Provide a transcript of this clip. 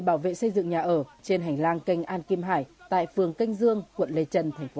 bảo vệ xây dựng nhà ở trên hành lang kênh an kim hải tại phường canh dương quận lê trân thành phố